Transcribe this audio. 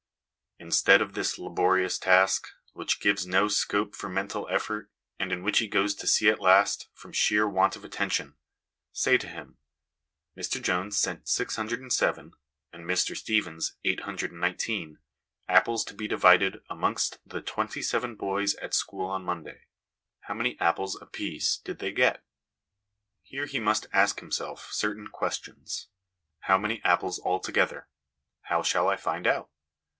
Instead of this laborious task, which gives no scope for mental effort, and in which he goes to sea at last from sheer want of attention, say to him " Mr Jones sent six hundred and seven, and Mr Stevens eight hundred and nineteen, apples to be divided amongst the twenty seven boys at school on Monday. How many apples apiece did they get ?" Here he must ask himself certain questions. ' How many apples altogether ? How shall I find out